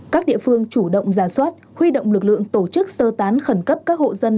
các địa phương chủ động giả soát huy động lực lượng tổ chức sơ tán khẩn cấp các hộ dân